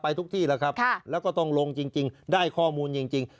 ทุกที่แล้วครับแล้วก็ต้องลงจริงได้ข้อมูลจริง